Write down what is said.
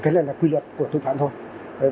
cái này là quy luật của tội phạm thôi